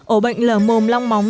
ổ bệnh lở mồm long móng